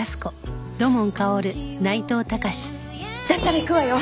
だったら行くわよ。